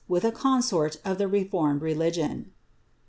with a consort of the reformed religion."